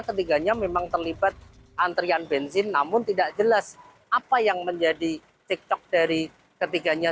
ketiganya memang terlibat antrian bensin namun tidak jelas apa yang menjadi cekcok dari ketiganya